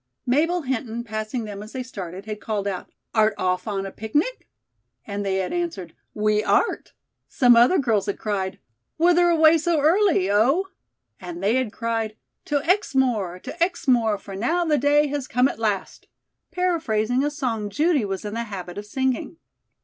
Mabel Hinton, passing them as they started, had called out: "Art off on a picnic?" And they had answered: "We art." Some other girls had cried: "Whither away so early, Oh?" And they had cried: "To Exmoor! To Exmoor, for now the day has come at last!" paraphrasing a song Judy was in the habit of singing.